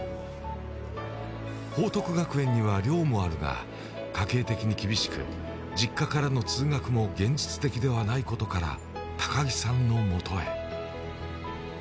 報徳学園には寮もあるが、家計的に厳しく、実家からの通学も現実的ではないことから高木さんのもとへ。